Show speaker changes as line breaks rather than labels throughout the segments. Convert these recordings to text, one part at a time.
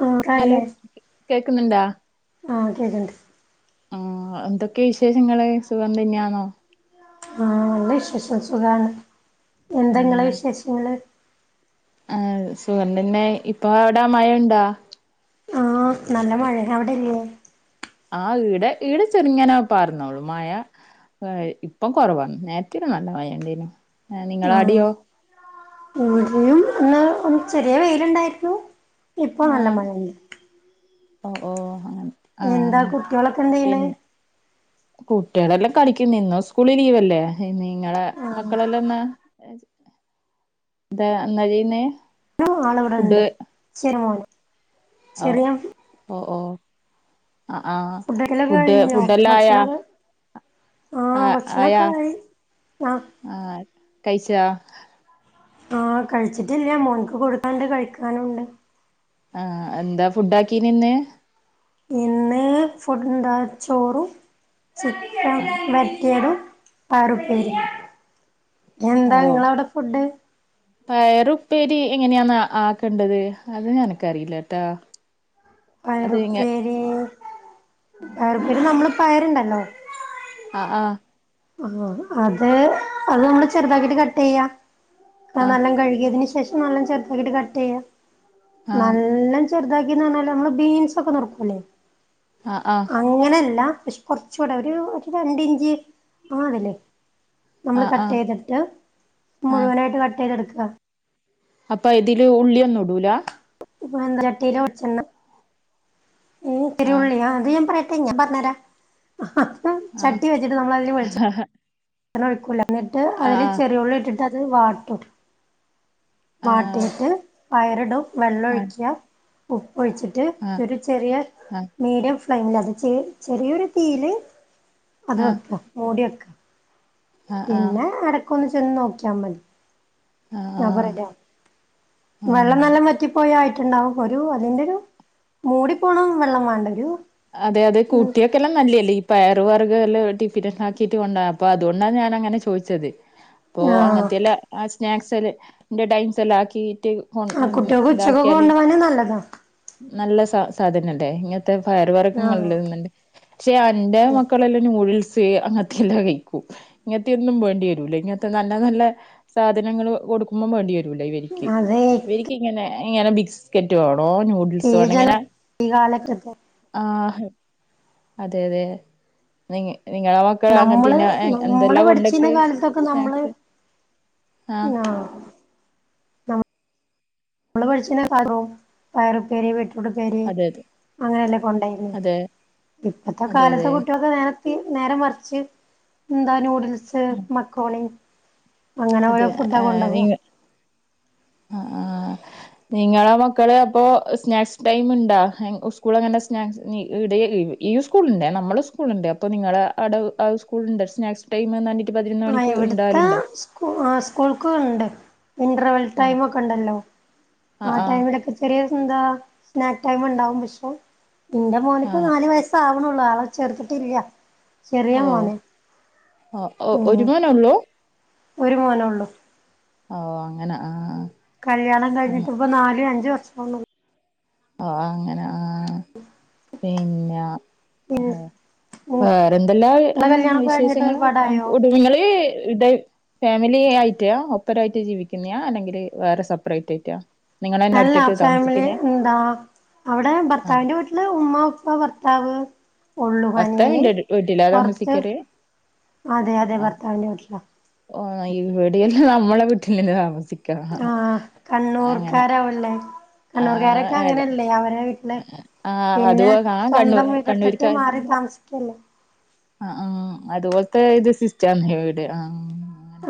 ആ
ഹലോ കേക്കുന്നുണ്ടാ
ആഹ് കേക്കണ്ട്
ആഹ് എന്തൊക്കെയ വിശേഷങ്ങള് സുഖം തന്നെയാണോ
ആഹ് നല്ല വിശേഷം സുഖമാണ്
ആ
എന്തെങ്ങളെ വിശേഷങ്ങള്
ആഹ് സുഖം തന്നെ ഇപ്പൊ അവിടെ മഴയുണ്ടോ
ആഹ് നല്ല മഴ അവിടെയില്ലേ
ആഹ് ഈടെ ഈടെ ചെറുങ്ങാനാ പാറുന്നോളു മയ ഇപ്പൊ കൊറവാണ് നേരത്തെ നല്ല മയണ്ടേനും നിങ്ങള
ആ
അടിയോ
ഇവിടെയും ഒന്ന് ചെറിയ വെയിലുണ്ടായിരുന്നു ഇപ്പൊ നല്ല മഴയുണ്ട്
ഓഹ് ഓഹ്
എന്താ
ആഹ്
കുട്ട്യോളൊക്കെ എന്തെയ്യ്ണ്
പിൻ കുട്ടികളെല്ലാം കളിക്കുന്നു ഇന്നോ സ്കൂള് ലീവ് അല്ലേ നിങ്ങളെ
ആ
മക്കളെല്ലാം എന്നാ ഇതാ എന്നാ ചെയ്യുന്നേ
ആള്
ഫുഡ്
ഇവിടെണ്ട് ചെറിയ ആള്
ഓഹ് ഓഹ് ഓഹ്
ഫുഡക്കിലൊക്കെ കഴിഞ്ഞോ
ഫുഡെല്ലാം ആയാ
ഭക്ഷണൊക്കെ
ആ
ആഹ് ഭക്ഷണക്കായി ആഹ്
ആഹ് കഴിച്ചോ
ആഹ് കഴിച്ചിട്ടില്ല മോനക്ക് കൊടുക്കാനുണ്ട് കഴിക്കാനുംണ്ട്
ആഹ് എന്താ ഫുഡ ആക്കീനിന്ന്
ഇന്ന് ഫുഡ് എന്താ ചോറും ചിക്കൻ
ആ
വരട്ടിയതും പാറും ശരി
ഓ
എന്താ നിങ്ങളവിടെ ഫുഡ്
പയറുപ്പേരി എങ്ങനെയാണ് ആക്കേണ്ടത് അത് എനക്ക്റിയില്ല ട്ടാ
പയറുപ്പേരി പയറുപ്പേരി നമ്മള് പയരുണ്ടല്ലോ
ആഹ് ആഹ്
ഓഹ് അത് അത് നമ്മള് ചെറുതാക്കിട്ട് കട്ട് ചെയ്യാ
ആ
നല്ല കഴുകിയതിന് ശേഷം നല്ല ചെറുതാക്കിട്ട് കട്ട് ചെയ്യ
ആ
നല്ല ചെുതാക്കിന്ന് പറഞ്ഞാൽ നമ്മള് ബീൻസ് ഒക്കെ നറുക്കൂലേ
ആഹ് ആഹ്
അങ്ങനയല്ല പക്ഷെ കൊറച്ച് കൂടെ ഒരു ഒരു രണ്ടിഞ്ച് ആഹ് അതല്ലേ നമ്മൾ
ആ ആ
കട്ട് ചെയ്തിട്ട്
ആ
മുഴുവനായിട്ട് കട്ട് ചെയ്തെടുക്കുക
അപ്പോൾ ഇതിൽ ഉള്ളിയൊന്നും ഇടൂല
മൺചട്ടിയിലോ വെളിച്ചെണ്ണ പിന്നെ ഇത്തിരി
ആ
ഉള്ളി ആഅത് ഞാൻ പറയട്ടേ ഞാൻ പറഞ്ഞു തരാം
ആ
ചട്ടി വെച്ചിട്ട് നമ്മൾ അതിൽ വെളിച്ചെണ്ണ ഒഴിക്കൂലേ എന്നിട്ട്
ആ ആ
അതിൽ ചെറിയുള്ളി ഇട്ടിട്ടത് അത് വാട്ടും
ആ ആ
വാട്ടിയിട്ട് പയറിടും
ആ
വെള്ളൊഴിക്കുക ഉപ്പൊഴിച്ചിട്ട്
ആ ആ
ഒരു ചെറിയ മീഡിയം നല്ലത് ചെ ചെറിയൊരു തീയില് അത് വെക്കുക മൂടിവെക്കുക
ആ ആ
പിന്നെ അടക്കൊന്ന് ചെന്ന് നോക്കിയാൽ മതി ഞാൻ
ആ
പറയട്ടെ
ആ
വെള്ളം എല്ലാം വറ്റിപ്പോയയി ണ്ടാവും ഒരു അതിന്റെ ഒരു മൂടി പോണം വെള്ളം വേണ്ട ഒരു
അതെ അതെ കൂട്ടിയെ ക്കെല്ലാം നല്ലതല്ലേ ഈ പയർ വർഗമെല്ലാം ടിഫൻ ക്കിട്ട് കൊണ്ടുപോണ് അതുകൊണ്ടാണ് ഞാൻങ്ങനെ ചോദിച്ചത് അപ്പൊ
ആഹ്
അങ്ങനത്തെല്ലാം ആ സ്നാക്സ്ല് എന്റെ ടൈംസ് എല്ലാം ആക്കിട്ട് ഹോ
ആ
അം
കുട്ടികൾക്ക് ഉച്ചക്കൊക്കെ
ഇതാക്കിയാല്
കൊണ്ടുപോകാന് നല്ലതാ
നല്ല സ സാധനല്ലേ ഇങ്ങനത്തെ
ആ
പയർവർഗങ്ങളല്ലന്നണ്ട് പക്ഷെ എന്റെറെ മക്കളെല്ലാം നൂഡിൽസ് അങ്ങനത്തെെല്ലാം കഴിക്കും ഇങ്ങനത്തെ ഇന്നും വേണ്ടി വരൂല്ല ഇങ്ങനത്തെ നല്ല നല്ല സാധനങ്ങൾ കൊടുക്കുമ്പോം വേണ്ടി വരും വരൂല ഇവരിക്ക്
അതെ
ഇവരിക്ക് ഇങ്ങനെ ഇങ്ങനെ ബിസ്കറ്റ് വേണോ നൂ
ഈ ജനം ഈ കാലക്കത്തെ
ആഹ് അതെ അതെ നി നിങ്ങള മക്കളങ്ങന
നമ്മള്
തിന്നാ
നമ്മള്
എന്തെല്ലാ
പഠിച്ചിരുന്ന
കൊണ്ടക്ക്
കാലത്തൊക്കെ നമ്മള്
സ്നക്സ് ആഹ്
ആ [unintelligible] പയർ പേരിം വീട്ട [unintelligible] പേര്
അതെ
അങ്ങനെല്ലാം കൊ ണ്ടായിന്ന്
അതെ
ഇപ്പത്തെ
അതെ അതെ
കാലത്തെ കുട്ടികൊക്കെ നേര നേര മറിച്ച് ന്താ നൂഡിൽസ് മക്രോണി അങ്ങനെ
അതെ അതെ
ഓരോ ഫുഡ്ഡങ്ങുണ്ടാകു
ആ ആഹ് നിങ്ങളെ മക്കള് അപ്പോ സ്നാക്സ് ടൈമ്ണ്ടാ ഹെ ഉസ്കൂൾ അങ്ങനെ സ്നാക്സ് [unintelligible] ഈ സ്കൂളുണ്ട് നമ്മള സ്കൂളുണ്ട് അപ്പൊ നിങ്ങളെ ആട അഅ് സ്കൂൾണ്ട് സ്നാക്സ് ടൈമ് നന്നിട്ട് പതിനൊന്ന് മണിക്ക് ഇണ്ടാവലുണ്ട
കു ആഹ് സ്കൂൾക്കു ഉണ്ട്. ഇൻറർവൽ
ആഹ്
ടൈമൊക്കണ്ടല്ലോ ആ
ആഹ് ആഹ്
ടൈമിലൊക്കെ ചെറിയോര്ക്ക്ന്താ സ്നാക്ക് ടൈമ്ണ്ടാവും പക്ഷെ ഇന്റെ മോന്ക്ക്
ആഹ്
നല് വയസ് സാവണുള്ളു ആളെ ചേർത്തിട്ടില്ല ചെറിയ മോന
ആഹ് ഒ
ഉം
ഒരുമോനോള്ളൂ?
ഒരു മോനെ ഉള്ളൂ.
ഓഹ് അങ്ങനെ ആഹ്
കല്യാണം
ആഹ്
കഴിഞ്ഞിട്ടിപ്പ നാല് അഞ്ച് വർഷാവാനായി.
ഓഹ് അങ്ങനെ ആഹ് പിന്നെ
ഉം
ഹ
ഉം
വേറെന്തെല്ലാ അ
ഇങ്ങളെ കല്യാണൊക്കെ കഴിഞ്ഞിട്ട്
വിശേഷങ്ങൾ
ഒരുപാടായോ
കുടുമങ്ങള് ഇട ഫാമിലി ആയിറ്റാ ഒപ്പരായിട്ട് ജീവിക്കുന്നയാ അല്ലെങ്കില് വേറെ സെപ്പറേറ്റായിറ്റോ? നിങ്ങളെന്നെ ഒറ്റയ്ക്ക് താമസിക്കുന്നെ?
ആഹ് അവിടെ ഭർത്താവിന്റെ വീട്ടില് ഉമ്മ, ഉപ്പ, ഭർത്താവ് ഉള്ളു അനിയന്
ഭർത്താവിന്റെ വീട്ടിലാ
പൊർത്ത്
താമസിക്കല്
അതെ അതെ
ആഹ്
ഭർത്താവിൻ്റെ വീട്ടിലാ.
ഓഹ് ഇവിടെയല്ലാം നമ്മള വീട്ടിലെന്ന താമസി
ആഹ് കണ്ണൂർക്കാരാവല്ലേ
ആഹ്
കണ്ണൂർകാരൊക്കെ
അല്ല
അങ്ങനെയല്ലേ അവരെ വീട്ടില്
ആഹ്
പിന്നെ
അതുപോലെ ആഹ് കണ്ണൂർ
സ്വന്തം വീടെടുത്തിട്ട് മാറി താമസി ല്ലല്ല.
ആഹ് ആഹ് അതുപോൽത്തെ ഇത് സിസ്റ്റാണ് ഇവിടെ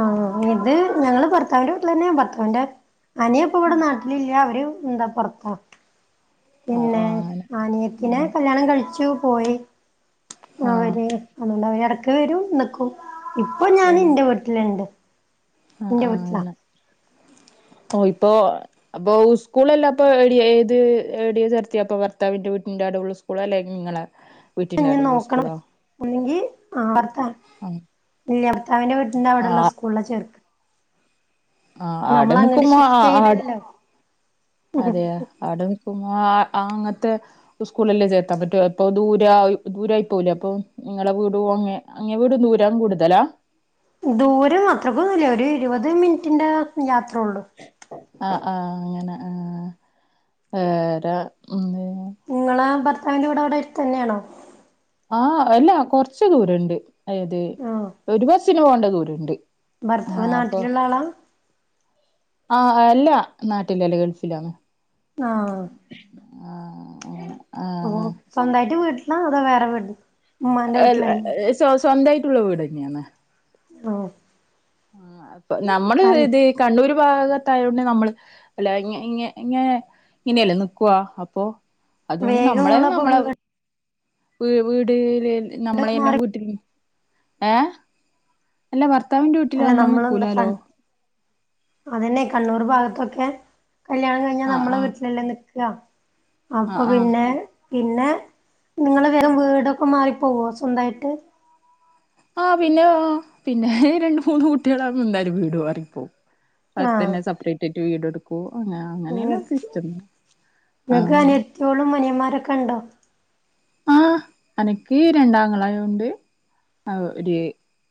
ആഹ് ഇത് ഞങ്ങള് ഭർത്താവിന്റെ വീട്ടിലെന്നെയ ഭർത്താവിന്റെ അനിയ പ്പ വിടെ നാട്ടിലില്ല അവര് ന്താ പൊറത്താ.
ആ
പിന്നെ
ആഹ് ങ്ങനെ
അനിയത്തിനെ
ആഹ്
കല്യാണം കഴിച്ചു പോയി
ആ
അവര് അതുകൊണ്ടവരെടക്ക് വരും ന്ക്കും ഇപ്പ
ആഹ്
ഇന്റ വീട്ടില്ണ്ട്.
ആ
ഇന്റെ
ആഹ്
വീട്ടിലാ
അങ്ങനെ ഓഹ് ഇപ്പോ അപ്പൊ ഉസ്കൂളല്ലാപ്പോ ഏട്യാ ഏത് ഏടിയ ചേർത്തിയപ്പോ ഭർത്താവിന്റെ വീട്ടിന്റെടു ഉള്ള സ്കൂൾ അല്ലെ നിങ്ങളെ? വീട്ടിന്റെ
ഞ്ഞി
അവിടെള്ള
നോക്കണം
സ്കൂളോ
ഒന്നെങ്കി ആഹ് ഭർത്താ
ആ
ഇല്ല ഭർത്താവിന്റെ വീട്ടിന്റെ
ആ
വിടെള്ള സ്കൂളില ചേർക്ക
ആഹ് ആടെ
നമ്മൾ അങ്ങട്ട്
നിക്കുമ്പോ
ഷിഫ്റ്റ്
ആഹ്
ചെയ്തല്ലോ
അതെയ ആടെ നിക്കുമ്പോ ആഹ് ആ അങ്ങത്തെ സ്കൂളല്ലേ ചേർത്താൻ പറ്റു അപ്പൊ ദൂരാ ദൂരായി പോവൂലേ അപ്പൊ നിങ്ങളെ വീടു അങ്ങെ അങ്ങെ വീടു ദൂരം കൂടുതലാ?
ദൂരം അത്രക്കൊന്നും ഇല്ല ഒരു ഇരുപത് മിനിറ്റിന്റെ യാത്രെ ഉള്ളു.
ആഹ് ആഹ് അങ്ങനെ ആഹ് വേരാ ന്ത്
ങ്ങളാ ഭർത്താവിന്റെ വീടവിട ട്‌ത്തെന്നെയാണോ?
ആഹ അല്ല കൊർച്ച് ദൂരണ്ട് അയത്
ആഹ്
ഒരു ബസിന് പോകേണ്ട ദൂരണ്ട്.
ഭർത്താവ്
ആഹ് അപ്പൊ
നാട്ടിലുള്ള ആളാ
ആഹ് അല്ല നാട്ടിലല്ല ഗൾഫിലാന്ന്
ആഹ്
ആഹ് അങ്ങനെ
ഓ
ആഹ്
സ്വന്തായിട്ട് വീട്ട്ല അതോ വേറെ വീട്
അല്ല സ്വാ സ്വന്തായിട്ട്ള്ള വീടെന്നെണ്
ആഹ്
ആഹ് അപ്പൊ നമ്മള്
കാല്
ഇത് കണ്ണൂര് ഭാഗത്തായോണ്ട് നമ്മള് അല്ല ഇ ഇങ്ങ ഇങ്ങനെ ഇങ്ങനെയല്ലെ നിക്ക്വ അപ്പൊ അതോണ്ട്
വേഗം
നമ്മളെ
നിങ്ങളപ്പൊ
നമ്മളെ വീ വീട്ല്
വീട്
നമ്മളെല്ലം
മാറി
വീട്ടില് ഏ അല്ല ഭർത്താവിന്റെ വീട്ടില് നമ്മള് നിക്കുലാലോ
അതെന്നെ കണ്ണൂർ ഭാഗത്തൊക്കെ കല്യാണം കഴിഞ്ഞാ
ആഹ്
നമ്മളെ
ആഹ്
വീട്ടിലല്ലേ നിക്ക അപ്പൊ
ആഹ് ആഹ്
പിന്നെ പിന്നെ നിങ്ങള് വേം വീടൊക്കെ മാറിപ്പോവോ സ്വന്തായിട്ട്
ആഹ് പിന്നെ പിന്നെ രണ്ട് മൂന്ന് കുട്ട്യാളാകുമ്പോ എന്തായാലും വീട് മാറിപ്പോം
ആഹ്
അട്ത്തെന്നെ സെപ്പറേറ്റായിട്ട് വീടെട്ക്കും അ അങ്ങനെണാ
നിങ്ങക്ക്
സിസ്റ്റം ആഹ്
ട്ട്യോളും മൊനിയന്മാരൊക്കെ ണ്ടോ
ആഹ് എനക്ക് രണ്ടാങ്ങളാരുണ്ട് അത് ഒര്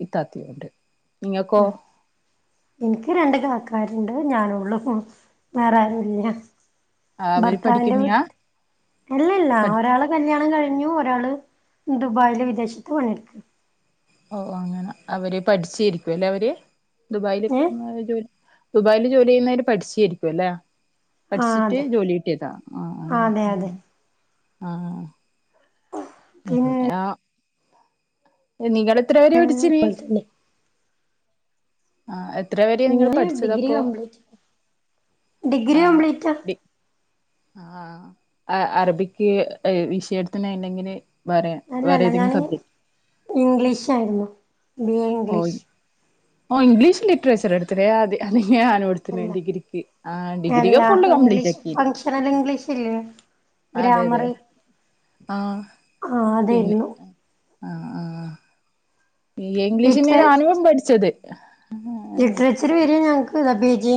ഇത്താത്യുണ്ട് നിങ്ങക്കോ
ഇൻക്ക് രണ്ട് കാക്കാര്ണ്ട് ഞാനുള്ളു വേറാരുല്ല
അവര്
ഭർത്താവിന്റെ
പഠിക്കുന്നയാ
വീട്ട് ഇല്ലല്ല
പഠി
ഒരാള് കല്യാണം കഴിഞ്ഞു ഒരാള് ദുബായില് വിദേശത്ത് പണിയെടുക്ക
ഓ അങ്ങനെ അവര് പഠിച്ചേരിക്കും ല്ലെ അവര് ദുബായില്
ഏഹ്
[unintelligible] ദുബായില് ജോലി ചെയ്യുന്നവര് പഠിച്ചേരിക്കും ല്ലെ
ആഹ്
പഠിച്ചിട്ട്
അതെ
ജോലി കിട്ടിയതാ ആഹ് അങ്ങനെ
അതെ അതെ
ആഹ് ആഹ്
പിന്നെ
പിന്ന നിങ്ങൾ എത്ര വെരെ പഠിച്ചിന്
അതുപോലെ തന്നെ
ആഹ് എത്ര വെ
ഞാന് ഡിഗ്രി കംപ്ലീറ്റ് ഡിഗ്രി കംപ്ലീറ്റ
അ ആഹ് അ അറബിക്ക് വിഷയെടുത്തിന് അയ്നെങനെ
അല്ലല്ല ഞാൻ ഇംഗ്ലീഷായിരുന്നു ബി എ
ഓ
ഇംഗ്ലീഷ്
ഓ ഇംഗ്ലീഷ് ലിറ്ററേച്ചറെടുത്ത് നെ അത് അതെന്നെ ഞാനും എടു
അല്ല അല്ല
ഫുള്ള് കംപ്ലീറ്റ്
ഇംഗ്ലീഷ്
ആക്കി
ഫംഗഷനൽ ഇംഗ്ലീഷ്ല്ലേ ഗ്രാമറ്
ആഹ്
ആഹ്
പിന്നെ
അതായിരുന്നു
ആഹ് ആഹ് ആഹ് ബി എ ഇംഗ്ലീഷെന്നെ
ലിറ്ററേ
ഞാനും പഠിച്ചത്
ലിറ്ററേച്ചറ് വെര ഞങ്ങക്ക് ഇത പി ജി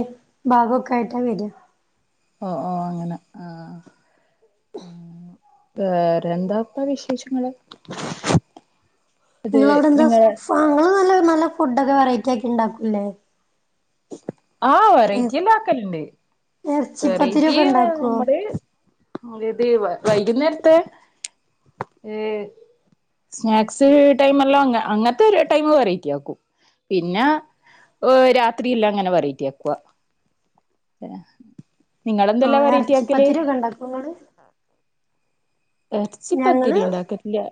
ഭാഗൊക്കായിട്ടാ വെരാ
ഓ ഓ അങ്ങനെ ആഹ് വേറെന്താപ്പ വിശേഷങ്ങള് ഇത്
നിങ്ങളവടെന്താ
നിങ്ങള്
ഫ് ഇങ്ങള് നല്ല നല്ല ഫുഡോക്കെ വെറൈറ്റിയാക്കി ണ്ടാക്കും ല്ലെ
ആഹ് വെറൈറ്റി എല്ലാക്കല്ണ്ട് വെറൈറ്റി
എറച്ചിപ്പത്തിരിയൊക്കെ ഉണ്ടാക്കുവോ
നമ്മള് അത് ഇത് വൈകുന്നേരത്തെ ഏ സ്നാക്സ് ടൈമെല്ലാം അങ് അങ്ങൻത്തൊരു ടൈമ് വെറൈറ്റി ആക്കും പിന്നെ ഹ് രാത്രി എല്ലാം അങ്ങനെ വെറൈറ്റി ആക്ക്വ നിങ്ങളെന്തെല്ലാ വെറൈറ്റി ആക്കല്
ഇത് കണ്ടോ ഫോണ് ഞങ്ങള്
എച്ചിപ്പത്തിരി ഇണ്ടാക്കൽല്ലാ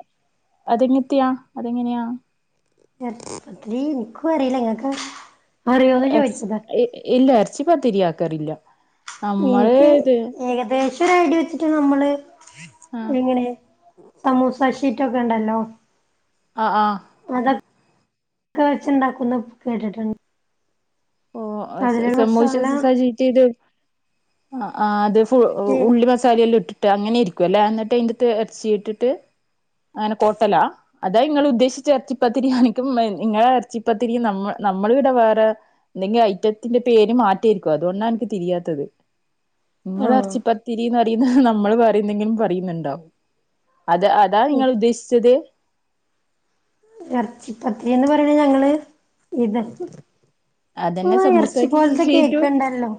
അതെങ്ങെത്തെയാ അതെങ്ങെനെയാ
എർച്ചി പത്തിരി ഇൻക്കും അറീല ഇങ്ങെക്ക്
എർച്ച് ഇ ഇല്ല എർച്ചിപ്പത്തിരിയാക്കാറില്ലാ
ഇൻക്ക്യ്ഏകദേശൊരയ്ഡ്യ വെച്ചിട്ട് നമ്മെള്
ആഹ്
എങ്ങെനെ സമൂസ ഷീറ്റൊക്കെണ്ടല്ലോ
ആഹ് ആഹ്
അതെ ക്കെ വെച്ച്ണ്ടാക്കുംന്ന് കേട്ട്ട്ട്
ഓഹ് അസ് സമോശ
മസാല
സ് സജി ഇത് ആഹ് ആഹ് അത് ഫു ഉള്ളി മസാലെയെല്ലാം ഇട്ട് ട്ട് അങ്ങെനെ ഇരിക്കുവല്ലേ എന്നിട്ട് അയ്ന്റത്ത് എർച്ചി ഇട്ടിട്ട് അങ്ങെനെ കോട്ടലാ അതാ ഇങ്ങെള് ഉദ്ദേശിച്ച എർച്ചിപ്പത്തിരി ൻക്കും ഇങ്ങെളെ എർച്ചിപ്പത്തിരിയും നമ്മ നമ്മളിവ്ടെ വേറേ എന്തെങ്കി ഐറ്റത്തിന്റെ പേര് മാറ്റായ്ര്ക്കോ അതുകൊണ്ടാ അൻക്ക് തിരിയാത്തെത് ഇങ്ങെള്
ആഹ്
എർച്ചിപ്പത്തിരീന്ന് പറയ്ന്ന നമ്മെൾ വേറെയെന്തെങ്കിലും പറയ്ന്ന്ണ്ടാവും അത് അതാ നിങ്ങെൾ ഉദ്ദേശ്‌ചെത്?
എറച്ചിപ്പത്തിരീന്ന് പറയ്ണെ ഞങ്ങെള് ഇതെ
അതെന്നെ സമൂസാ [unintelligible]
കേക്ക്
ഷീറ്റും
ഉണ്ടല്ലോ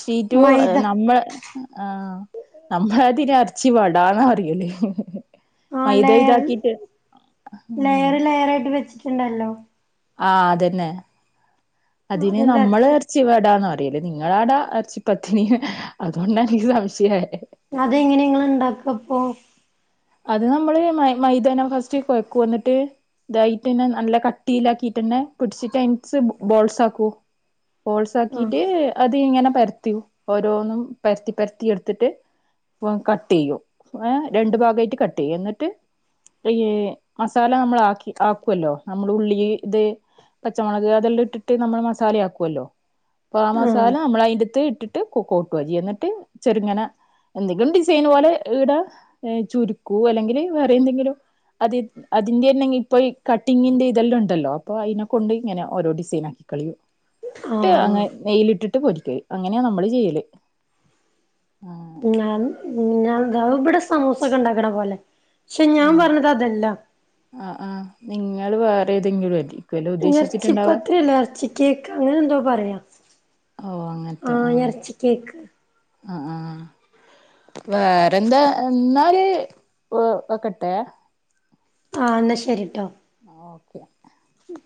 ഷീറ്റും
മൈദ
നമ്മെ ആഹ് നമ്മളതിന് എർച്ചി വടാന്ന് പറ്‌യല്
ആഹ് ലെയെർ
ആഹ്
ലെയെറ് ലെയെറായിട്ട് വെച്ചിട്ട്ണ്ടല്ലോ
ആഹ് അതന്നെ അതിന്
അതെന്താ
നമ്മള് ർ ച്ചി വടാന്ന പറയല് നിങ്ങളാടാ എർച്ചിപ്പത്തിരീന്ന് അത്കൊണ്ടാ എനിക്ക് സംശയായേ
അതെങ്ങെനേ ഇങ്ങെള് ഇണ്ടാക്കപ്പാേ?
അത് നമ്മെള് മൈ മൈതേനം ഫസ്റ്റ് കാെഴ്ക്കും എന്നിട്ട് തായ്റ്റ്ന്‌ നല്ല കട്ടീലാക്കീട്ടെന്നെ പുട്ച്ച്ട്ട് അയ്ൻസ് ബോൾസാക്കു
ആഹ്
ബോൾസാക്കീറ്റ് അത് ഇങ്ങെനെ പരത്ത്യും ഓരോന്നും പരത്തി പരത്തി എട്ത്ത്ട്ട് ആഹ് കട്ടെയ്യും ഏഹ് രണ്ടു ഭാഗായ്ട്ട് കട്ടെയ്യും എന്നിട്ട് പ്രിയേ മസാല നമ്മെള് ആക്കി ആക്കുവല്ലോ നമ്മെള് ഉള്ളില് ത് പച്ചമൊളെക് അതെല്ലാം ഇട്ട്ട്ട് നമ്മെള് മസാലയാക്കുവല്ലോ അപ്പൊ ആ മസാല
ആഹ്
നമ്മള് അയ്ന്റത്ത് ഇട്ട് ട്ട് കോക്കൂട്ടുവാ ചെയ് എന്ന്ട്ട് ചെറ്ങ്ങനെ എന്തെങ്കിലും ഡിസൈന് പോലെ ഈടെ ഏഹ് ചുരു കൂ അല്ലെങ്കില് വേറെ എന്തെങ്കിലും അതെ അതിന്റെയെന്നെങ്ങി പ്പാെ ഇ കട്ടിങ്ങിന്റെയിതെല്ലാംണ്ടല്ലോ അപ്പൊ അയ്നെ കൊണ്ട് ഇങ്ങെനെ ഓരോ ഡിസൈനാക്കി കളിയും ട്ട്
ആഹ്
അങ്ങെ നെയ്യിലിട്ടിട്ട് പൊരിക്കല് അങ്ങനെയാ നമ്മെള് ചെയ്യെല്
ഞാൻ ഉം ഞാൻ താ ഇബ്ടെ സമൂസാെക്കെണ്ടാക്ക്ണെ പോലെ ക്ഷെ ഞാം
ആ
പർഞ്ഞതതല്ലാ
ആഹ് ആഹ് നിങ്ങെള് വേറെ ഏതെങ്കിലും അയ്രി
എർച്ചിപ്പത്തിരില്ല എർച്ചി കേക്കാ അങ്ങെനെ എന്തോ പറയാ
ഓഹ് അങ്ങൻത്തെ ആഹ്
എറച്ചി കേക്ക്
ആഹ് ആഹ് വേറെന്താ എന്നാല് ഓഹ് വെക്കട്ടേ
ആഹ് ന്നാ ശെരിട്ടോ
ഓക്കെ
ഉം